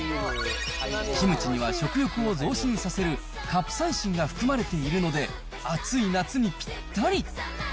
キムチには食欲を増進させるカプサイシンが含まれているので、暑い夏にぴったり。